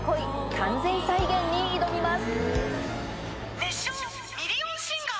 完全再現に挑みます。